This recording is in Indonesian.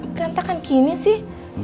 berantakan gini sih